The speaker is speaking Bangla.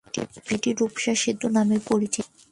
এটি রূপসা সেতু নামেও পরিচিত।